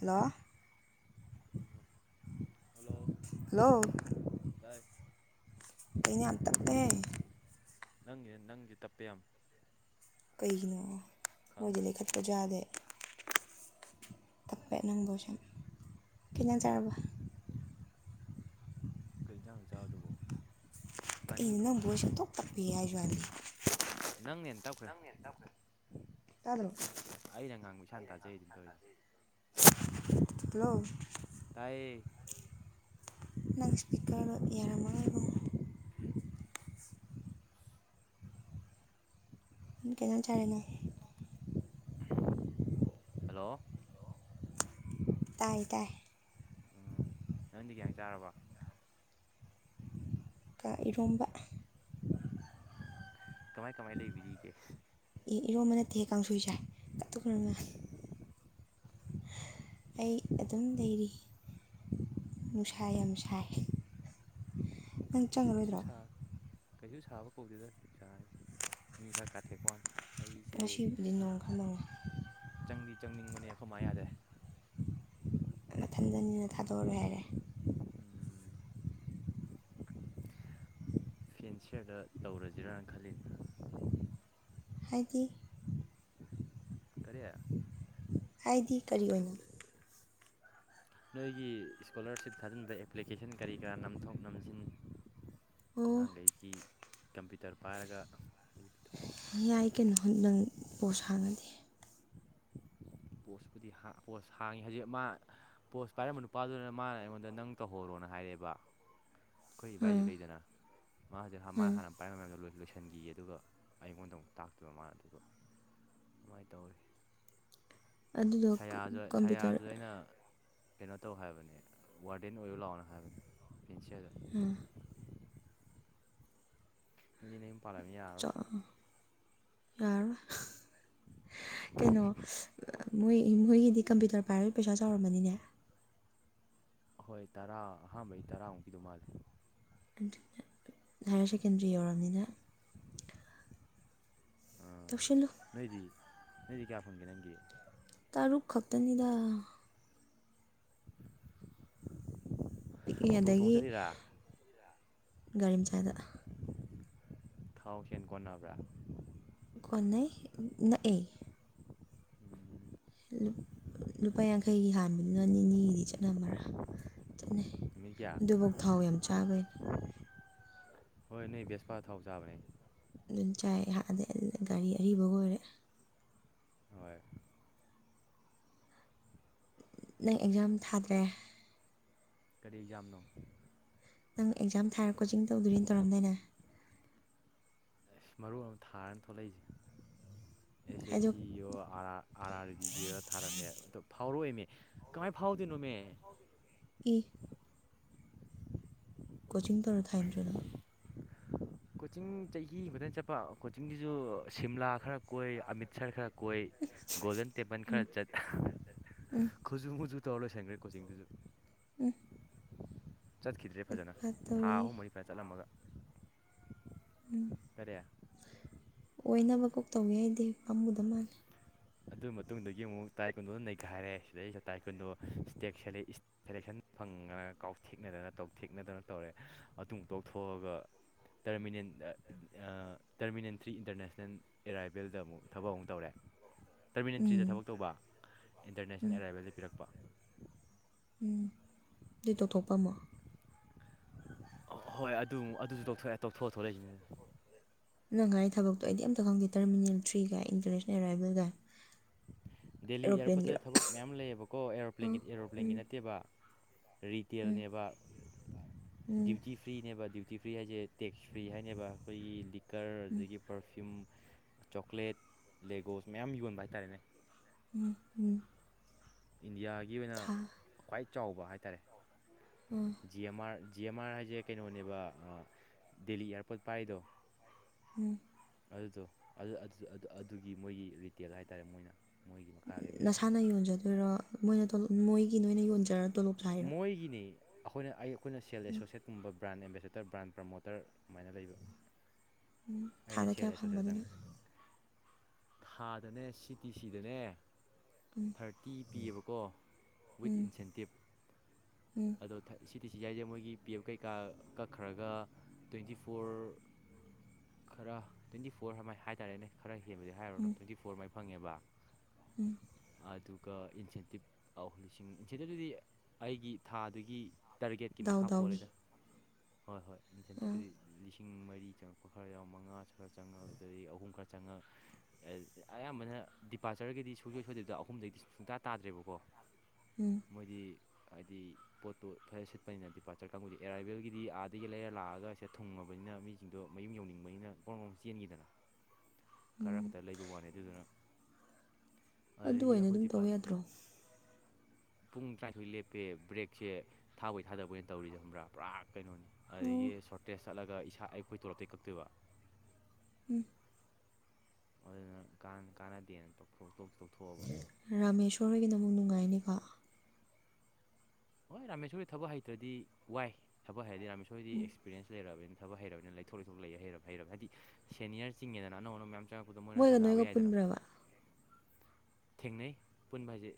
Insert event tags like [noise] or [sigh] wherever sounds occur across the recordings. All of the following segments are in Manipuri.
ꯍꯜꯂꯣ ꯍꯜꯂꯣ ꯍꯜꯂꯣ ꯇꯥꯏ ꯀꯩꯅꯣ ꯌꯥꯝ ꯇꯥꯞꯄꯦ ꯅꯪꯒꯤꯅꯦ ꯅꯪꯒꯤ ꯇꯞꯄꯦ ꯌꯥꯝ ꯀꯩꯒꯤꯅꯣ ꯃꯣꯏꯖꯤ ꯈꯪꯗꯦ ꯂꯩꯈꯠꯄꯖꯨ ꯌꯥꯗꯦ ꯇꯞꯄꯦ ꯅꯪꯕꯣꯁꯝ ꯀꯩ ꯏꯟꯖꯥꯡ ꯆꯥꯔꯕ ꯀꯩꯏꯟꯖꯥꯡꯅꯨ ꯆꯥꯕꯗꯨꯕꯣ ꯉꯥꯅꯨ ꯀꯩꯅꯣ ꯊꯣꯡ ꯅꯪ ꯆꯥꯏ ꯚꯣꯏꯁ ꯑꯣꯟꯊꯣꯛ ꯇꯞꯄꯤ ꯍꯥꯏꯁꯨ ꯍꯥꯏꯅꯤ ꯅꯪꯅ ꯍꯦꯟ ꯇꯞꯈ꯭ꯔꯦ ꯇꯥꯗ꯭ꯔꯣ ꯏꯁꯥ ꯑꯩꯅ ꯉꯥꯡꯕ ꯏꯁꯥꯅ ꯇꯥꯖꯩ ꯑꯗꯨꯅꯦ ꯇꯧꯔꯤꯁꯦ ꯍꯜꯂꯣ ꯇꯥꯏꯌꯦ ꯅꯪ ꯏꯁꯄꯤꯀꯔꯗꯣ ꯌꯥꯔꯝꯃꯔꯣꯏ ꯏꯕꯨꯉꯣ ꯅꯪ ꯀꯩꯖꯥꯛ ꯆꯥꯔꯦ ꯅꯪ ꯍꯂꯣ ꯇꯥꯏ ꯇꯥꯏ ꯎꯝ ꯅꯪꯗꯤ ꯒꯩꯖꯥꯛ ꯆꯥꯔꯕ ꯀ ꯏꯔꯣꯡꯕ ꯎꯝ ꯀꯃꯥꯏ ꯀꯃꯥꯏ ꯂꯩꯕꯤꯔꯤꯒꯦ ꯏꯔꯣꯝꯕ ꯅꯠꯇꯤꯌꯦ ꯀꯥꯡꯁꯣꯏ ꯆꯥꯏ ꯀꯇꯨꯀꯔꯟ ꯅꯪ ꯑꯩ ꯑꯗꯨꯝ ꯂꯩꯔꯤ ꯅꯨꯡꯁꯥ ꯎꯝ ꯌꯥꯝ ꯁꯥꯏ ꯅꯪ ꯀꯩꯁꯨ ꯆꯪꯉꯔꯣꯏꯗ꯭ꯔꯣ ꯁꯥ ꯀꯩꯁꯨ ꯁꯥꯕ ꯀꯧꯗꯦꯗ ꯅꯨꯡꯁꯥꯖꯦ ꯃꯤ ꯈꯔ ꯀꯥꯊꯦꯛꯄ꯭ꯋꯥꯅꯤ ꯉꯁꯤꯕꯨꯗꯤ ꯅꯣꯡ ꯈꯔ ꯅꯪꯉꯦ ꯆꯪꯗꯤ ꯆꯪꯅꯤꯡꯕꯅꯦ ꯑꯩꯈꯣꯏ ꯃꯥ ꯌꯥꯗꯦ ꯅꯊꯟꯗꯅꯤꯅ ꯊꯥꯗꯣꯛꯑꯔꯣꯏ ꯍꯥꯏꯔꯦ ꯎꯝ ꯐꯦꯟꯁꯤꯌꯔꯗ ꯇꯧꯔꯁꯤꯔꯅ ꯈꯜꯂꯤꯅꯦ ꯍꯥꯏꯗꯤ ꯀꯔꯤ ꯍꯥꯏꯗꯤ ꯀꯔꯤ ꯑꯣꯏꯅꯅꯣ ꯅꯣꯏꯒꯤ ꯏꯁꯀꯣꯂꯥꯔꯁꯤꯞ ꯊꯥꯖꯤꯟꯕ ꯑꯦꯄ꯭ꯂꯤꯀꯦꯁꯟ ꯀꯔꯤ ꯀꯔꯥ ꯅꯝꯊꯣꯛ ꯅꯝꯖꯤꯟ ꯑꯣ ꯑꯉꯥꯡꯒꯩꯒꯤ ꯀꯝꯄ꯭ꯌꯨꯇꯔ ꯄꯥꯏꯔꯒ ꯌꯥꯏ ꯀꯩꯅꯣ ꯅꯪ ꯄꯣꯁ ꯍꯥꯡꯉꯗꯤ ꯄꯣꯁꯄꯨꯗꯤ ꯍꯥ ꯄꯣꯁ ꯍꯥꯡꯉꯤ ꯍꯧꯖꯤꯛ ꯑꯃꯥ ꯄꯣꯁ ꯄꯥꯏꯔꯝꯕ ꯅꯨꯄꯥꯗꯨꯅ ꯃꯥꯅ ꯑꯩꯉꯣꯟꯗ ꯅꯪ ꯇꯧꯍꯧꯔꯣꯅ ꯍꯥꯏꯔꯦꯕ ꯈꯣꯏ ꯏꯚꯥꯏꯖꯨ ꯑꯥ ꯂꯩꯗꯅꯥ ꯃꯥ ꯍꯧꯖꯤ ꯃꯥꯥꯅ ꯑꯥ ꯍꯥꯟꯅ ꯄꯥꯏꯔꯝꯃꯗꯣ ꯂꯣꯏ ꯂꯣꯏꯁꯟꯒꯤꯒꯦ ꯑꯗꯨꯒ ꯑꯩꯉꯣꯟꯗ ꯑꯃꯨꯛ ꯇꯥꯛꯇꯣꯏꯕ ꯃꯥꯅ ꯑꯗꯨꯒ ꯑꯗꯨꯃꯥꯏ ꯇꯧꯋꯦ ꯑꯗꯨꯗꯣ ꯀ ꯀꯝꯄ꯭ꯌꯨꯇꯔ ꯑꯩꯅ ꯀꯩꯅꯣ ꯇꯧ ꯍꯥꯏꯕꯅꯦ ꯋꯥꯔꯗꯦꯟ ꯑꯣꯏꯔꯨ ꯂꯥꯎꯑꯣꯅ ꯍꯥꯏꯕꯅꯦ ꯐꯦꯟꯁꯤꯌꯔ ꯑꯥ ꯅꯪꯗꯤ ꯅꯌꯨꯝ ꯄꯂꯝꯅꯤꯅ ꯌꯥꯔꯔꯣꯏ ꯌꯥꯔꯔꯣꯏ ꯀꯩꯅꯣ ꯏꯁ ꯃꯣꯏ ꯃꯣꯏꯒꯤꯗꯤ ꯀꯝꯄ꯭ꯌꯨꯇꯔ ꯄꯥꯏꯕꯩ ꯄꯩꯁꯥ ꯆꯥꯎꯔꯝꯃꯅꯤꯅꯦ ꯍꯣꯏ ꯇꯔꯥ ꯑꯍꯥꯥꯟꯕꯩ ꯇꯔꯥꯃꯨꯛ ꯄꯤꯗꯣꯏ ꯃꯥꯜꯂꯦ ꯍꯥꯏꯌꯔ ꯁꯦꯀꯦꯟꯗ꯭ꯔꯤ ꯌꯧꯔꯕꯅꯤꯅ ꯇꯧꯁꯤꯜꯂꯨ ꯅꯪꯗꯤ ꯀꯌꯥ ꯐꯪꯒꯦ ꯅꯪꯒꯤ ꯇꯔꯨꯛ ꯈꯛꯇꯅꯤꯗ ꯄꯤꯛꯏ ꯑꯣꯇꯣ ꯇꯣꯡ ꯑꯗꯒꯤ ꯆꯠꯂꯤꯔꯥ ꯒꯥꯔꯤ ꯃꯆꯥꯗ ꯊꯥꯎ ꯁꯦꯟ ꯀꯣꯟꯅꯕ꯭ꯔꯥ ꯀꯣꯟꯅꯩ ꯅꯛꯑꯦ ꯎꯝ ꯂꯨ ꯂꯨꯄꯥ ꯌꯥꯡꯈꯩꯒꯤ ꯍꯥꯟꯕꯗꯨꯅ ꯅꯤꯅꯤꯗꯤ ꯆꯠ ꯉꯃꯕ꯭ꯔꯥ ꯆꯠꯅꯩ ꯅꯨꯃꯤꯠ ꯀꯌꯥ ꯑꯗꯕꯥꯎ ꯊꯥꯎ ꯌꯥꯝ ꯆꯥꯕꯩꯅꯤ ꯍꯣꯏ ꯅꯣꯏ ꯕꯦꯁꯄꯥ ꯊꯥꯎ ꯆꯥꯕꯅꯦ ꯑꯗꯨꯝ ꯆꯥꯏ ꯑꯑꯗꯤ ꯒꯥꯔꯤ ꯑꯔꯤꯕꯒ ꯑꯣꯏꯔꯦ ꯍꯣꯏ ꯅꯪ ꯑꯦꯛꯖꯥꯝ ꯊꯥꯗ꯭ꯔꯦ ꯀꯔꯤ ꯑꯦꯛꯖꯥꯝ ꯅꯣ ꯅꯪ ꯑꯦꯛꯖꯥꯝ ꯊꯥꯔ ꯀꯣꯆꯤꯡ ꯇꯧꯗꯣꯔꯤꯅ ꯇꯧꯔꯝꯗꯥꯏꯅꯦ ꯑꯦꯁ ꯃꯔꯨ ꯑꯃ ꯊꯥꯔ ꯊꯣꯛꯂꯛꯏꯁꯦ ꯑꯦꯁ ꯑꯦꯁ ꯁꯤ ꯍꯥꯏꯗꯣꯛꯏ ꯌꯨ ꯑꯥꯔ ꯑꯥꯔ ꯑꯥꯔ ꯒꯤꯒ ꯊꯥꯔꯝꯃꯦ ꯑꯗꯣ ꯐꯥꯎꯔꯛꯑꯣꯏꯃꯤ ꯀꯃꯥꯏ ꯐꯥꯎꯗꯣꯏꯅꯣꯃꯤ ꯏ ꯆꯤꯡ ꯇꯧꯔ ꯊꯥꯥꯏꯆꯨꯔꯣ ꯀꯣꯆꯤꯡ ꯆꯍꯤ ꯑꯃꯗꯪ ꯆꯠꯄ ꯀꯣꯆꯤꯡꯗꯨꯁꯨ ꯁꯤꯝꯂꯥ ꯈꯔ ꯀꯣꯏ ꯑꯃꯤꯠꯁꯔ ꯈꯔ ꯀꯣꯏ ꯒꯣꯜꯗꯟ ꯇꯦꯝꯄꯜ ꯈꯔ ꯆꯠ ꯎꯝ ꯈꯨꯖꯨ ꯃꯨꯖꯨ ꯑꯣ ꯂꯣꯏꯁꯟꯈ꯭ꯔꯦ ꯀꯣꯆꯤꯡꯗꯨꯁꯨ ꯎꯝ ꯆꯠꯈꯤꯗ꯭ꯔꯦ ꯐꯖꯅ ꯑꯠꯄꯥ ꯊꯥ ꯇꯧꯋꯦ ꯑꯍꯨꯝ ꯃꯔꯤ ꯐꯖ ꯆꯠꯂꯝꯃꯒ ꯎꯝ ꯀꯔꯤ ꯑꯣꯏꯅꯕ ꯀꯣꯛ ꯇꯧꯒꯦ ꯍꯥꯏꯗꯦ ꯄꯥꯝꯃꯨꯗ ꯃꯥꯜꯂꯦ ꯑꯗꯨ ꯃꯇꯨꯡꯗꯒꯤ ꯑꯃꯨꯛ ꯇꯥꯏꯀꯨꯟꯗꯣꯗ ꯅꯩꯒꯥꯏꯔꯦ ꯁꯤꯗꯩꯁꯤꯗ ꯇꯥꯏꯀꯨꯟꯗꯣ ꯏꯁꯇꯦꯛ ꯁꯦꯂꯦ ꯏꯁ ꯁꯦꯂꯦꯛꯁꯟ ꯐꯪꯉ ꯀꯥꯎꯊꯦꯛꯅꯗꯅ ꯇꯧꯊꯦꯛꯅꯗꯅ ꯇꯧꯔꯦ ꯑꯗꯨꯃꯨꯛ ꯇꯣꯛꯊꯣꯛꯑꯒ ꯇꯔꯃꯤꯅꯦꯟ ꯑ ꯇꯔꯃꯤꯅꯦꯟ ꯊ꯭ꯔꯤ ꯏꯟꯇꯔꯅꯦꯁꯅꯦꯜ ꯑꯦꯔꯥꯏꯚꯦꯜꯗ ꯑꯃꯨꯛ ꯊꯕꯛ ꯑꯃꯨꯛ ꯇꯧꯔꯦ ꯇꯔꯃꯤꯅꯦꯟ ꯊ꯭ꯔꯤꯗ ꯎꯝ ꯊꯕꯛ ꯇꯧꯕ ꯎꯝ ꯏꯟꯇꯔꯅꯦꯁꯅꯦꯜ ꯑꯦꯔꯥꯏꯕꯦꯜꯗ ꯄꯤꯔꯛꯄ ꯎꯝ ꯑꯗꯨ ꯇꯣꯛꯊꯣꯛꯄ ꯑꯃꯨꯛ ꯍꯣꯏ ꯑꯗꯨꯃꯨꯛ ꯑꯗꯨꯁꯨ ꯇꯣꯛꯊꯣꯑꯦ ꯇꯛꯊꯣꯛꯑꯒ ꯊꯣꯛꯂꯛꯏꯁꯤꯅꯤ ꯅꯪ ꯍꯥꯏ ꯊꯕꯛꯇꯣ ꯑꯩꯗꯤ ꯑꯝꯇ ꯈꯪꯒꯦ ꯇꯔꯃꯤꯅꯦꯟ ꯊ꯭ꯔꯤꯒ ꯏꯟꯇꯔꯅꯦꯁꯅꯦꯜ ꯑꯦꯔꯥꯏꯚꯦꯜꯒ ꯗꯦꯜꯂꯤ ꯏꯌꯥꯔꯄꯣꯔꯠꯇ ꯊꯕꯛ ꯃꯌꯥꯝ ꯂꯩꯌꯦꯕꯀꯣ ꯑꯥ ꯑꯦꯔꯣꯄ꯭ꯂꯦꯟꯒꯤ ꯎꯝ ꯑꯦꯔꯣꯄ꯭ꯂꯦꯟꯒꯤ ꯅꯠꯇꯦꯕ ꯀꯥꯔꯤ ꯎꯝ ꯇꯦꯜꯅꯦꯕ ꯎꯝ ꯗ꯭ꯌꯨꯇꯤ ꯐ꯭ꯔꯤꯅꯦꯕ ꯗ꯭ꯌꯨ ꯇꯤ ꯐ꯭ꯔꯤ ꯍꯥꯏꯁꯦ ꯇꯦꯛꯁ ꯐ꯭ꯔꯤ ꯍꯥꯏꯅꯦꯕ ꯑꯩꯈꯣꯏꯒꯤ ꯂꯤ ꯀꯔ ꯑꯗꯨꯗꯒꯤ ꯄꯔꯐ꯭ꯌꯨꯝ ꯆꯣꯀ꯭ꯂꯦꯠ ꯂꯦꯒꯣꯁ ꯃꯌꯥꯝ ꯌꯣꯟꯕ ꯍꯥꯏꯇꯥꯔꯦꯅꯦ ꯎꯝ ꯎꯝ ꯏꯟꯗꯤꯌꯥ ꯒꯤ ꯑꯣꯏꯅ ꯊꯥ ꯈ꯭ꯋꯥꯏ ꯆꯥꯎꯕ ꯍꯥꯏꯇꯥꯔꯦ ꯑꯥ ꯖꯤ ꯑꯦꯝ ꯃꯥꯔ ꯖꯤ ꯑꯦꯝ ꯑꯥꯔ ꯍꯥꯏꯁꯦ ꯀꯩꯅꯣꯅꯦꯕ ꯑ ꯗꯦꯜꯂꯤ ꯏꯌꯥꯔꯄꯣꯠ ꯄꯥꯏꯔꯤꯗꯣ ꯎꯝ ꯑꯗꯨꯗꯣ ꯑꯗꯨ ꯑꯗꯨ ꯑꯗꯨꯒꯤ ꯔꯤꯇꯦꯟ ꯍꯥꯏꯇꯔꯦ ꯃꯣꯏꯅ ꯃꯣꯏꯒꯤ ꯃꯈꯥ ꯂꯩꯕ ꯔꯤꯇꯦꯜ ꯗꯨꯏꯔꯣ ꯃꯣꯏꯅ ꯇꯣꯂꯣꯞ ꯃꯣꯏꯒꯤ ꯅꯣꯏꯅ ꯌꯣꯟꯖꯔ ꯇꯣꯂꯣꯞ ꯆꯥꯏꯔꯣ ꯃꯣꯏꯒꯤꯅꯦ ꯑꯩꯈꯣꯏꯅ ꯑꯩ ꯑꯩꯈꯣꯏꯅ ꯁꯦꯜ ꯑꯦꯁꯣꯁꯦꯠ ꯀꯨꯝꯕ ꯕ꯭ꯔꯥꯟ ꯑꯦꯝꯕꯦꯁꯦꯗꯔ ꯕ꯭ꯔꯥꯟ ꯄ꯭ꯔꯃꯣꯇꯔ ꯑꯗꯨꯃꯥꯏꯅ ꯂꯩꯕ ꯎꯝ ꯑꯩꯅ ꯊꯥꯗ ꯁꯦꯜ ꯀꯌꯥ ꯐꯪꯕꯗꯨꯅ ꯑꯦꯁꯣꯁꯦꯁꯟ ꯊꯥꯗꯅꯦ ꯁꯤ ꯇꯤ ꯁꯤꯗꯅꯦ ꯊꯥꯔꯇꯤ ꯄꯤꯌꯦꯕꯀꯣ ꯋꯤꯠ ꯎꯝ ꯏꯟꯁꯦꯟꯇꯤꯞ ꯎꯝ ꯑꯗꯣ ꯊꯏ ꯁꯤꯗꯤꯁꯤ ꯍꯥꯏꯖꯦ ꯃꯣꯏꯒꯤ ꯄꯤ ꯑꯦꯐ ꯀꯩꯀꯥ ꯀꯛꯈ꯭ꯔꯒ ꯇ꯭ꯋꯦꯟꯇꯤ ꯐꯣꯔ ꯈꯔ ꯇ꯭ꯋꯦꯟꯇꯤ ꯐꯣꯔ ꯍꯥꯃꯥꯏ ꯍꯥꯏꯇꯥꯔꯦꯅꯦ ꯈꯔ ꯍꯦꯕꯗꯤ ꯍꯥꯏꯔꯨꯅꯣ ꯇ꯭ꯋꯦꯟꯇꯤ ꯐꯣꯔ ꯃꯥꯏ ꯐꯪꯉꯦꯕ ꯎꯝ ꯑꯗꯨꯒ ꯏꯟꯁꯦꯟꯇꯤꯞ ꯑꯧ ꯂꯤꯁꯤꯡ ꯏꯟꯁꯦꯟꯇꯤꯞꯇꯨꯗꯤ ꯑꯩꯒꯤ ꯊꯥꯗꯒꯤ ꯇꯥꯔꯒꯦꯠꯀꯤ ꯗꯥꯎ ꯃꯈꯥ ꯗꯥꯎꯒꯤ ꯄꯣꯜꯂꯦꯗ ꯍꯣꯏ ꯍꯣꯏ ꯑꯥ [unintelligible] ꯆꯤꯡ ꯃꯔꯤ ꯆꯪꯉꯛꯄ ꯈꯔ ꯌꯥꯎ ꯃꯉꯥꯁꯨ ꯈꯔ ꯆꯪꯉꯛ ꯑꯗꯒꯤ ꯑꯍꯨꯝ ꯈꯔ ꯆꯪꯉꯛ ꯑ ꯑꯌꯥꯝꯕꯅ ꯗꯤꯄꯥꯔꯆꯔꯒꯤꯗꯤ ꯁꯨꯡꯁꯣꯏ ꯁꯣꯏꯗꯕꯤꯗ ꯑꯍꯨꯝꯗꯩꯗꯤ ꯁꯨꯡ ꯁꯨꯡꯇꯥ ꯇꯥꯗ꯭ꯔꯦꯕꯀꯣ ꯎꯝ ꯃꯣꯏꯗꯤ ꯍꯥꯏꯗꯤ ꯄꯣꯠꯇꯣ ꯐꯖ ꯁꯤꯠꯄꯅꯤꯅ ꯗꯤꯄꯥꯥꯔꯆꯔ ꯀꯥꯡꯒꯨꯗꯤ ꯑꯦꯔꯥꯏꯕꯦꯜꯒꯤꯗꯤ ꯑꯥꯗꯒꯤ ꯂꯩꯔ ꯂꯥꯛꯑꯒ ꯁꯤꯗ ꯊꯨꯡꯉꯕꯅꯤꯅ ꯃꯤꯁꯤꯡꯗꯣ ꯃꯌꯨꯝ ꯌꯧꯅꯤꯡꯕꯅꯤꯅ ꯒ꯭ꯔꯣꯡ ꯒ꯭ꯔꯣꯡ ꯆꯦꯟꯒꯤꯗꯅ ꯈꯔ ꯈꯛꯇ ꯂꯩꯕ ꯋꯥꯅꯤ ꯑꯗꯨꯗꯨꯅ ꯑꯗꯨ ꯑꯗꯨꯗꯒꯤ ꯑꯣꯏꯅ ꯑꯩꯈꯣꯏ ꯑꯗꯨꯝ ꯗꯤꯄꯥ ꯇꯧ ꯌꯥꯗ꯭ꯔꯣ ꯄꯨꯡ ꯇꯔꯥꯅꯤꯊꯣꯏ ꯂꯦꯞ ꯄꯦ ꯕ꯭ꯔꯦꯛꯁꯦ ꯊꯥꯕꯣꯏ ꯊꯥꯗꯕꯣꯏꯅꯦ ꯇꯧꯔꯤꯁꯦ ꯈꯪꯕ꯭ꯔꯥ ꯄꯨꯔꯥ ꯀꯩꯅꯣꯅꯤ ꯑꯗꯒꯤ ꯑꯣ ꯁꯣꯔꯇꯦꯖ ꯆꯠꯂꯒ ꯏꯁꯥ ꯑ ꯑꯩꯈꯣꯏ ꯇꯣꯂꯣꯞꯇꯩ ꯀꯛꯇꯣꯏꯕ ꯎꯝ ꯑꯗꯨꯅ ꯀꯥꯟ ꯀꯥꯅꯗꯦꯅ ꯇꯣꯛꯊꯣꯛ ꯇꯣꯛꯊꯣꯛꯑꯕ ꯔꯥꯃꯦꯁꯣꯔꯍꯣꯏꯒꯤꯅ ꯑꯃꯨꯛ ꯅꯨꯡꯉꯥꯏꯅꯤ ꯑꯥ ꯍꯣꯏ ꯔꯥꯃꯦꯁꯣꯔꯍꯣꯏꯒꯤ ꯊꯕꯛ ꯍꯩꯇ꯭ꯔꯗꯤ ꯋꯥꯏ ꯊꯕꯛ ꯍꯩꯔꯗꯤ ꯔꯥꯃꯦꯁꯣꯔꯍꯣꯏꯗꯤ ꯑꯦꯛꯁꯄꯤꯔꯦꯟꯁ ꯂꯩꯛꯑꯕꯅꯤꯅ ꯊꯕꯛ ꯍꯩꯔꯕꯅ ꯂꯩꯊꯣꯛ ꯂꯩꯊꯣꯛ ꯂꯩ ꯍꯩꯔ ꯍꯩꯔꯕ ꯍꯥꯏꯗꯤ ꯁꯦꯅꯤꯌꯔ ꯆꯤꯡꯉꯦꯗꯅ ꯑꯅꯧ ꯑꯅꯧꯕ ꯃꯌꯥꯝ ꯆꯪꯉꯛꯄꯗꯣ ꯃꯣꯏꯅ ꯃꯣꯏꯒ ꯊꯧꯗꯥꯕ ꯅꯣꯏꯒ ꯌꯥꯏꯗꯅ ꯄꯨꯟꯕ꯭ꯔꯕ ꯊꯦꯡꯅꯩ ꯄꯨꯟꯕ ꯍꯥꯏꯁꯦ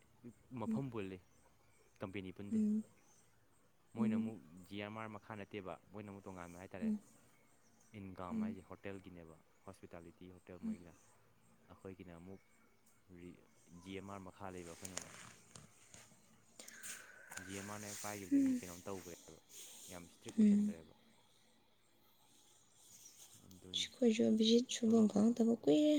ꯃꯐꯝ ꯄꯨꯜꯂꯤ ꯀꯝꯄꯤ ꯄꯨꯟꯗꯦ ꯎꯝ ꯃꯣꯏꯅ ꯎꯝ ꯑꯃꯨꯛ ꯖꯤ ꯑꯦꯝ ꯑꯥꯔ ꯃ ꯃꯥꯅꯗꯦꯕ ꯃꯣꯏꯅ ꯑꯃꯨꯛ ꯇꯣꯉꯥꯟꯕ ꯍꯥꯏꯇꯥꯔꯦ ꯎꯝ ꯏꯟꯒꯥꯝ ꯍꯥꯏꯁꯦ ꯍꯣꯇꯦꯜꯒꯤꯅꯦꯕ ꯍꯣꯁꯄꯤꯇꯥꯂꯤ ꯇꯤ ꯍꯣꯇꯦꯜ ꯃꯣꯏꯒꯤꯅ ꯑꯩꯈꯣꯏꯒꯤꯅ ꯑꯃꯨꯛ ꯔꯤ ꯖꯤ ꯑꯦꯝ ꯑꯥꯔ ꯃꯈꯥ ꯂꯩꯕ ꯑꯩꯈꯣꯏꯅ ꯑꯃꯨꯛ ꯖꯤ ꯑꯦꯝ ꯑꯥꯔꯅꯦ ꯄꯥꯏꯈꯤꯕꯗꯒꯤ ꯀꯩꯅꯣꯝ ꯇꯧꯈ꯭ꯔꯦ ꯌꯥꯝ ꯁꯇ꯭ꯔꯤꯛ ꯎꯝ ꯑꯣꯏꯁꯟꯒ꯭ꯔꯦꯕ ꯑꯗꯨꯅꯤ ꯑꯩꯈꯣꯏ ꯁꯣꯝꯒꯤꯗꯤ ꯁꯨꯐꯝ ꯇꯣꯂꯣꯞ ꯈꯪꯉꯛꯇꯕ ꯀꯨꯏꯔꯦ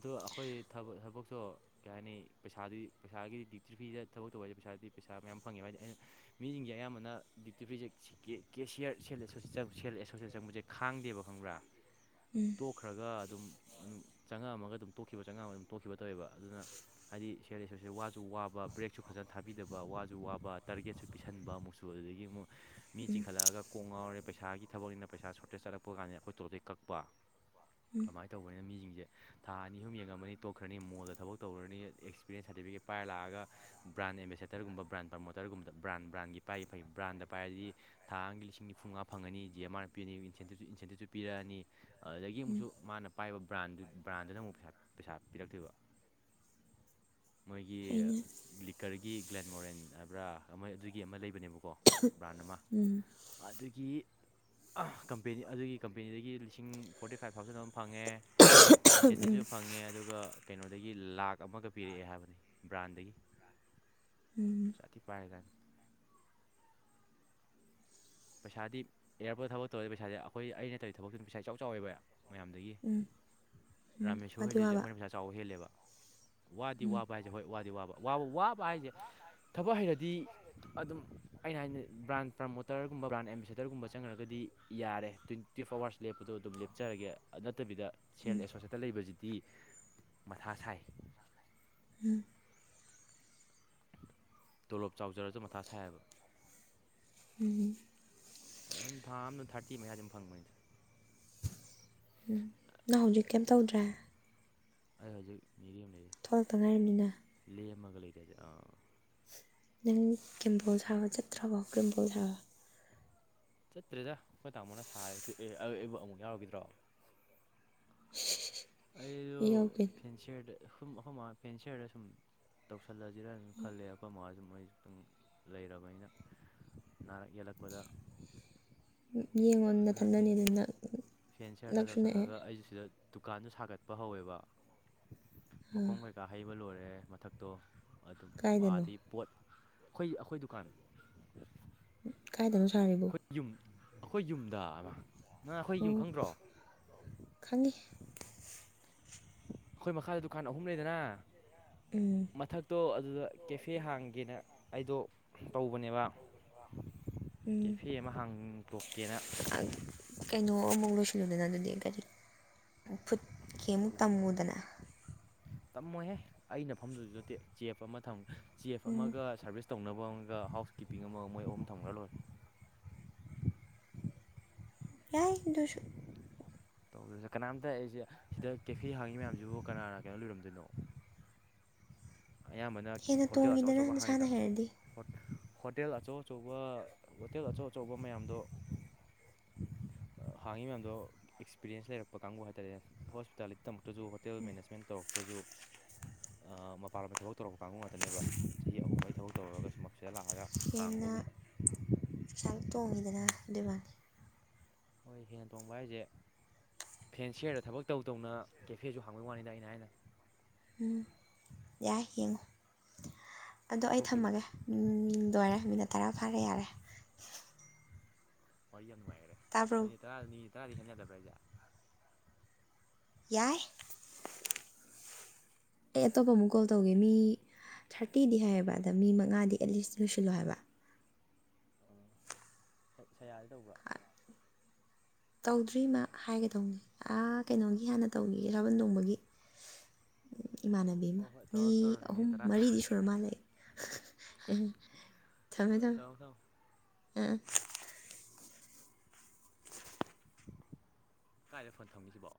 ꯑꯗꯣ ꯑꯩꯈꯣꯏ ꯊꯕꯛ ꯊꯕꯛꯇꯣ ꯀꯩ ꯍꯥꯏꯅꯤ ꯄꯩꯁꯥꯗꯤ ꯄꯩꯁꯥꯒꯤꯗꯤ ꯐ꯭ꯔꯤꯗ ꯊꯕꯛ ꯇꯧꯕ ꯍꯥꯏꯗꯤ ꯄꯩꯁꯥꯗꯤ ꯄꯩꯁꯥ ꯃꯌꯥꯝ ꯐꯪꯉꯦꯕ ꯍꯥꯏꯗꯤ ꯑꯩꯅ ꯃꯤꯁꯤꯡꯁꯦ ꯑꯌꯥꯝꯕꯅ ꯗ꯭ꯌꯨꯇꯤ ꯐ꯭ꯔꯤꯁꯦ ꯀꯦꯁꯤꯌꯔ ꯁꯦꯜꯂꯦꯛꯁꯟ ꯁꯦꯂꯦꯛꯁꯟꯁꯦ ꯆꯪꯕꯁꯦ ꯈꯥꯡꯗꯦꯕ ꯈꯪꯕ꯭ꯔꯥ ꯎꯝ ꯇꯣꯛꯈ꯭ꯔꯒ ꯑꯗꯨꯝ ꯑꯗꯨꯝ ꯆꯪꯉꯛꯑꯝꯃꯒ ꯑꯗꯨꯝ ꯇꯣꯛꯈꯤꯕ ꯆꯪꯉꯛꯑꯝꯃꯒ ꯑꯗꯨꯝ ꯇꯣꯛꯈꯤꯕ ꯇꯧꯋꯦꯕ ꯑꯗꯨꯅ ꯍꯥꯏꯗꯤ ꯁꯤꯔꯦꯁꯔꯁꯦ ꯋꯥꯁꯨ ꯋꯥꯕ ꯕ꯭ꯔꯦꯛꯁꯨ ꯐꯖꯅ ꯊꯥꯕꯤꯗꯕ ꯋꯥꯁꯨ ꯋꯥꯕ ꯇꯥꯔꯒꯦꯠꯁꯨ ꯄꯤꯁꯟꯕ ꯑꯃꯨꯛꯁꯨ ꯑꯗꯨꯗꯒꯤ ꯑꯃꯨꯛ ꯃꯤ ꯆꯤꯡꯈꯠꯂꯛꯑꯒ ꯀꯣꯡꯉꯥꯎꯔꯦ ꯄꯩꯁꯥꯒꯤ ꯊꯕꯛꯅꯤꯅ ꯄꯩꯁꯥ ꯁꯣꯔꯇꯦꯖ ꯆꯠꯂꯛꯄ ꯀꯥꯟꯗ ꯑꯩꯈꯣꯏ ꯇꯣꯂꯣꯞꯇꯩ ꯀꯛꯄ ꯀꯃꯥꯏꯅ ꯇꯧꯕꯅꯤꯅ ꯃꯤꯁꯤꯡ ꯊꯥ ꯑꯅꯤ ꯑꯍꯨꯝ ꯌꯦꯡꯉꯝꯃꯅꯤ ꯇꯣꯛꯈ꯭ꯔꯅꯤ ꯃꯣꯜꯗ ꯊꯕꯛ ꯇꯧꯈ꯭ꯔꯅꯤ ꯑꯦꯛꯁꯄꯤꯔꯤꯌꯦꯟꯁ ꯁꯥꯔꯇꯤꯐꯤꯀꯦꯠ ꯄꯥꯏꯔ ꯂꯥꯛꯑꯒ ꯕ꯭ꯔꯥꯑꯦꯝꯕꯦꯁꯦꯇꯔꯒꯨꯝꯕ ꯕ꯭ꯔꯥꯟ ꯄ꯭ꯔꯃꯣꯇꯔꯒꯨꯝꯕ ꯕ꯭ꯔꯥꯟ ꯕ꯭ꯔꯥꯟꯒꯤ ꯄꯥꯏꯕꯅ ꯐꯩ ꯕ꯭ꯔꯥꯟꯗꯥ ꯄꯥꯏꯔꯗꯤ ꯊꯥ ꯑꯃꯒꯤ ꯂꯤꯁꯤꯡ ꯅꯤꯐꯨꯃꯉꯥ ꯐꯪꯉꯅꯤ ꯖꯤ ꯑꯦꯝ ꯑꯥꯔ ꯄꯤꯔꯅꯤ ꯏꯟꯁꯦꯟꯇꯤꯞꯇ ꯄꯤꯔꯛꯑꯅꯤ ꯑꯗꯨꯗꯒꯤ ꯑꯃꯨꯛꯁꯨ ꯃꯥꯅ ꯄꯥꯏꯕ ꯕ꯭ꯔꯥꯟꯗꯨ ꯕ꯭ꯔꯥꯟꯗꯨꯅ ꯑꯃꯨꯛ ꯄꯩ ꯄꯩꯁꯥ ꯄꯤꯔꯛꯇꯣꯏꯕ ꯃꯣꯏꯒꯤ ꯐꯩꯅꯦ ꯂꯤꯀꯔꯒꯤ ꯒ꯭ꯂꯦꯟ ꯃꯣꯔꯦꯟ ꯍꯥꯏꯕ꯭ꯔꯥ ꯑꯃ ꯑꯗꯨꯒꯤ ꯑꯃ ꯂꯩꯕꯅꯦꯕ ꯀꯣ ꯕ꯭ꯔꯥꯟ ꯑꯃ ꯎꯝ ꯑꯗꯨꯒꯤ ꯑꯥ ꯀꯝꯄꯦꯅꯤ ꯑꯗꯨꯒꯤ ꯀꯝꯄꯦꯅꯤꯗꯒꯤ ꯂꯤꯁꯤꯡ ꯐꯣꯔꯇꯤ ꯐꯥꯏꯞ ꯊꯥꯎꯖꯟ ꯑꯃ ꯐꯪꯉꯦ ꯏꯟꯁꯦꯟꯇꯤꯞꯁꯨ ꯐꯪꯉꯦ ꯑꯗꯨꯒ ꯀꯩꯅꯣꯗꯒꯤ ꯂꯥꯛ ꯑꯃꯒ ꯄꯤꯔꯛꯑꯦ ꯍꯥꯏꯕꯅꯤ ꯕ꯭ꯔꯥꯟꯗꯒꯤ ꯎꯝ ꯄꯩꯁꯥ ꯊꯤ ꯄꯥꯏꯒ꯭ꯔꯖꯥꯠꯅꯤ ꯄꯩꯁꯥꯗꯤ ꯑꯦꯌꯥꯔꯄꯣꯔꯠ ꯊꯕꯛ ꯇꯧꯔꯗꯤ ꯄꯩꯁꯥꯗꯤ ꯑꯩꯈꯣꯏ ꯑꯩꯅ ꯇꯧꯔꯤ ꯊꯕꯀꯁꯤꯅ ꯄꯩꯁꯥ ꯏꯆꯥꯎ ꯆꯥꯎꯋꯦꯕ ꯃꯌꯥꯝꯗꯒꯤ ꯎꯝ ꯎꯝ ꯔꯥꯃꯦꯁꯣꯔ ꯋꯥꯗꯤ ꯍꯧꯏꯗꯩꯩꯁꯨ ꯋꯥꯕ ꯑꯩꯈꯣꯏꯅ ꯄꯩꯁꯥ ꯆꯥꯎꯕ ꯍꯦꯜꯂꯦꯕ ꯋꯥꯗꯤ ꯎꯝ ꯋꯥꯕ ꯍꯥꯏꯁꯦ ꯍꯣꯏ ꯋꯥꯗꯤ ꯋꯥꯕ ꯋꯥꯕ ꯋꯥꯕꯥ ꯍꯥꯏꯁꯦ ꯊꯕꯛ ꯍꯩꯔꯗꯤ ꯑꯗꯨꯝ ꯑꯩꯅ ꯍꯥꯏꯖꯤꯅꯦ ꯕ꯭ꯔꯥꯟ ꯄ꯭ꯔꯃꯣꯇꯔ ꯨꯝꯕꯥꯟ ꯑꯦꯝꯁꯦꯗꯔꯒꯨꯝꯕ ꯆꯪꯈ꯭ꯔꯒꯗꯤꯌꯔꯦ ꯇꯨꯏꯟꯇꯤ ꯐꯣꯔ ꯑꯋꯥꯔꯁ ꯂꯦꯞꯄꯗꯣ ꯑꯗꯨꯝ ꯂꯦꯞꯆꯔꯒꯦ ꯅꯠꯇꯕꯤꯗ ꯁꯦꯜ ꯑꯦꯁꯣꯁꯦꯠꯇ ꯂꯩꯕꯁꯤꯗꯤ ꯃꯊꯥ ꯁꯥꯏ ꯎꯝ ꯇꯣꯂꯣꯞ ꯆꯥꯎꯖꯔꯁꯨ ꯃꯊꯥ ꯁꯥꯏꯕ ꯎꯝ ꯑꯗꯨꯝ ꯊꯥ ꯑꯝꯗ ꯊꯥꯔꯇꯤ ꯃꯌꯥꯗꯤ ꯗꯨꯝ ꯐꯪꯕꯅꯤꯗ ꯎꯝ ꯅꯪ ꯍꯧꯖꯤꯛ ꯀꯩꯝ ꯇꯧꯗ꯭ꯔꯦ ꯑꯩ ꯍꯧꯖꯤꯛ ꯃꯤꯔꯦꯝ ꯅꯤ ꯊꯣꯛꯂꯛꯇ ꯉꯥꯏꯔꯤꯃꯤꯅ ꯂꯦꯝꯃꯒ ꯂꯩꯗꯖꯦ ꯑꯥ ꯅꯪ ꯀꯤꯝꯕꯣꯜ ꯁꯥꯕ ꯆꯠꯇ꯭ꯔꯕꯣ ꯀꯤꯝꯕꯣꯜ ꯁꯥꯕ ꯆꯠꯇ꯭ꯔꯦꯗꯥ ꯑꯩꯈꯣꯏ ꯇꯥꯃꯣꯅ ꯁꯥꯏ ꯀꯦ ꯑꯦ ꯑꯩꯕꯨ ꯑꯃꯨꯛ ꯌꯥꯎꯔꯨꯈꯤꯗ꯭ꯔꯣ [inaudible] ꯑꯩꯗꯣ ꯑꯩ ꯌꯥꯎꯒꯦ ꯐꯦꯟꯁꯤꯌꯥꯔꯗ ꯁꯨꯝ ꯑꯩꯈꯣꯏꯃꯥ ꯐꯦꯟꯁꯤꯌꯔꯗ ꯁꯨꯝ ꯇꯧꯁ ꯍꯜꯂꯛꯑꯖꯤꯔꯖꯨ ꯈꯜꯂꯦ ꯑꯩꯈꯣꯏ ꯃꯥꯍꯣꯏ ꯃꯣꯏ ꯇꯪ ꯂꯩꯔꯕꯅꯤꯅ ꯅꯥꯔꯛ ꯌꯦꯛꯂꯛꯄꯗ ꯌꯦꯡꯉꯣꯗ ꯑꯗꯨꯅ ꯅꯊꯟꯗꯅꯤ ꯐꯦꯟ ꯑꯗꯨ ꯅꯛꯁꯨ ꯅꯛꯑꯦ ꯗꯨꯀꯥꯟꯁꯨ ꯁꯥꯒꯠꯄ ꯍꯧꯋꯦꯕ ꯃꯈꯣꯡ ꯀꯩꯀꯥ ꯍꯩꯕ ꯂꯣꯏꯔꯦ ꯑꯦ ꯃꯊꯛꯇꯣ ꯑꯗꯨꯝ ꯀꯥꯏꯗꯅꯣ ꯃꯥꯗꯤ ꯄꯣꯠ ꯑꯩꯈꯣꯏ ꯑꯩꯈꯣꯏ ꯗꯨꯀꯥꯟ ꯀꯥꯏꯗꯅꯣ ꯁꯥꯔꯤꯕꯣ ꯑꯩꯈꯣꯏ ꯌꯨꯝ ꯑꯩꯈꯣꯏ ꯌꯨꯝꯗ ꯑꯃꯥ ꯎꯝ ꯈꯪꯉꯤ ꯑꯩꯈꯣꯏ ꯃꯈꯥꯗ ꯗꯨꯀꯥꯟ ꯑꯍꯨꯝ ꯂꯩꯗꯅ ꯎꯝ ꯃꯊꯛꯇꯣ ꯑꯗꯨꯗ ꯀꯦꯐꯦ ꯍꯥꯡꯒꯦꯅ ꯑꯩꯗꯣ ꯇꯧꯕꯅꯦꯕ ꯎꯝ ꯀꯦꯐꯦ ꯑꯃ ꯍꯥꯡꯇꯣꯛꯀꯦꯅ ꯑ ꯀꯩꯅꯣ ꯑꯃꯨꯛ ꯂꯣꯏꯁꯟ ꯑꯗꯨꯅ ꯑꯗꯨꯝ ꯌꯦꯡꯗꯔꯦ ꯐꯨꯠꯀꯤ ꯑꯃꯨꯛ ꯀꯩꯗꯧꯁꯤꯅꯣ ꯇꯝꯃꯨꯗꯅ ꯇꯝꯃꯣꯏꯍꯦ ꯑꯩꯅ ꯐꯝꯗꯨꯖꯨ ꯅꯠꯇꯦ ꯆꯦꯞ ꯑꯃ ꯊꯝ ꯆꯦꯐ ꯎꯝ ꯑꯃꯒ ꯁꯥꯔꯚꯤꯁ ꯇꯧꯅꯕ ꯑꯃꯒ ꯍꯥꯎꯁ ꯀꯤꯞꯄꯤꯡ ꯑꯃꯒ ꯃꯣꯏ ꯑꯍꯨꯝ ꯊꯝꯈꯔ ꯂꯣꯏꯔꯦ ꯌꯥꯏ ꯑꯗꯨꯁꯨ ꯇꯧꯗꯣꯁꯦ ꯀꯅꯥꯝꯇ ꯑꯩꯁꯦ ꯁꯤꯗ ꯀꯦꯐꯦ ꯍꯥꯡꯉꯤ ꯃꯌꯥꯝꯁꯤꯕꯨ ꯀꯅꯥꯅ ꯀꯩꯅꯣ ꯂꯣꯏꯔꯝꯗꯣꯏꯅꯣ ꯑꯌꯥꯝꯕꯅ ꯍꯦꯟꯅ ꯍꯣꯇꯦꯜ ꯑꯆꯧ ꯇꯣꯡꯉꯤꯗꯅ ꯑꯆꯧꯕ ꯍꯥꯡꯉꯤꯗꯣ ꯅꯁꯥꯅ ꯍꯩꯔꯗꯤ ꯍꯣꯇꯦꯜ ꯑꯆꯧ ꯑꯆꯧꯕ ꯍꯣꯇꯦꯜ ꯑꯆꯧ ꯑꯆꯧꯕ ꯃꯌꯥꯝꯗꯣ [inaudible] ꯍꯥꯡꯉꯤ ꯃꯌꯥꯝꯗꯣ ꯑꯦꯛꯁꯄꯤꯔꯤꯌꯦꯟꯁ ꯂꯩꯔꯛꯄ ꯀꯥꯡꯒꯨ ꯍꯥꯏꯇꯥꯔꯦꯅꯦ ꯍꯣꯁꯄꯤꯇꯥꯜꯂꯤꯠ ꯇꯝꯃꯛ ꯑꯗꯨꯨꯁꯨ ꯍꯣꯇꯦꯜ ꯃꯦꯅꯦꯖꯃꯦꯟ ꯇꯧ ꯑꯗꯨꯖꯨ ꯑꯥ ꯃꯐ ꯃꯄꯥꯂꯝꯗ ꯊꯕꯛ ꯇꯧꯔꯛꯄ ꯀꯥꯡꯕꯨ ꯉꯥꯇꯅꯦꯕ ꯆꯍꯤ ꯑꯍꯨꯝ ꯃꯔꯤ ꯊꯕꯛ ꯇꯧꯔꯨꯔꯒ ꯁꯨꯃꯥꯁ ꯁꯤꯗ ꯂꯥꯛꯑꯒ ꯍꯥꯡꯕꯒꯨꯝ ꯄꯁꯥꯗꯨ ꯇꯣꯡꯉꯤꯗꯅ ꯑꯗꯨꯏꯋꯥꯅꯤ ꯍꯣꯏ ꯍꯦꯟꯅ ꯇꯣꯡꯕ ꯍꯥꯏꯁꯦ ꯐꯦꯟ ꯁꯤꯌꯔꯗ ꯊꯕꯛ ꯇꯧ ꯇꯧꯅ ꯀꯦꯐꯦꯁꯨ ꯍꯥꯡꯕꯩ ꯋꯥꯅꯤꯗ ꯑꯩꯅ ꯍꯥꯏꯅ ꯎꯝ ꯌꯥꯏ ꯌꯦꯡꯉꯣ ꯑꯗꯣ ꯑꯩ ꯇꯣꯛꯇꯕꯤ ꯊꯝꯃꯒꯦ ꯎꯝ ꯃꯤꯟ ꯂꯣꯏꯔꯦ ꯃꯤꯅꯠ ꯇꯔꯥ ꯐꯥꯔꯦ ꯌꯥꯔꯦ ꯋꯥꯔꯤ ꯌꯥꯝ ꯅꯨꯡꯉꯥꯏ ꯇꯥꯕ꯭ꯔꯣ ꯃꯤꯅꯤꯠ ꯇꯔꯥꯗꯅꯤ ꯇꯔꯥꯗꯩ ꯍꯦꯟ ꯌꯥꯗꯕ꯭ꯔꯥ ꯍꯖꯦ ꯌꯥꯏ ꯑꯩ ꯑꯇꯣꯞꯄ ꯑꯃꯨꯛ ꯀꯣꯜ ꯇꯧꯒꯦ ꯃꯤ ꯊꯥꯔꯇꯤꯗꯤ ꯍꯥꯏꯌꯦꯕ ꯑꯗ ꯃꯤ ꯃꯉꯥꯗꯤ ꯑꯦꯠꯂꯤꯁ ꯂꯣꯏꯁꯤꯜꯂꯣ ꯍꯥꯏꯕ ꯑ ꯁ ꯁꯌꯥꯗꯤ ꯇꯧꯕ꯭ꯔꯣ ꯇꯧꯗ꯭ꯔꯤꯃ ꯍꯥꯏꯒꯗꯧꯅꯤ ꯑꯥ ꯀꯩꯅꯣꯒꯤ ꯍꯥꯟꯅ ꯇꯧꯒꯤꯒꯦ ꯁꯥꯕꯜ ꯇꯣꯡꯕꯒꯤ ꯏꯃꯥꯟꯅꯕꯤ ꯑꯃ ꯍꯣꯏ ꯍꯣꯏ ꯃꯤ ꯇꯧꯔꯣ ꯇꯧꯔꯣ ꯑꯍꯨꯝ ꯃꯤꯅꯤꯠ ꯇꯔꯥ ꯃꯔꯤꯗꯤ ꯁꯨꯔ ꯃꯥꯜꯂꯦ ꯑ ꯊꯝꯃꯦ ꯇꯧꯔꯣ ꯊꯝꯃꯦ ꯇꯧꯔꯣ ꯑ ꯑ ꯀꯥꯏꯗ ꯐꯣꯟ ꯊꯝꯒꯦꯁꯤꯕꯣ